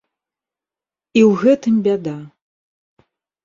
І ў гэтым бяда!